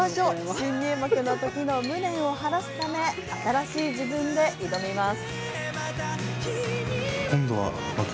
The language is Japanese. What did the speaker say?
新入幕のときの無念を晴らすため新しい自分で挑みます。